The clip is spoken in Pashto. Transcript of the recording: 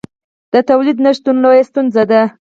د تولید نشتون لویه ستونزه ده.